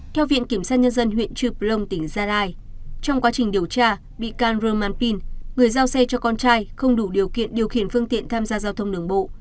trong quá trình điều tra bị can rơm man pin người giao xe cho con trai không đủ điều kiện điều khiển phương tiện tham gia giao thông đường bộ